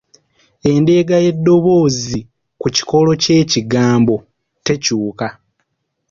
Endeega y’eddoboozi ku kikolo ky’ekigambo tekyuka